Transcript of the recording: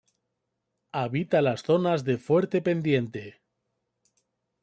Habita las zonas de fuerte pendiente.